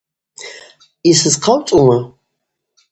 Йсызхъауцӏума?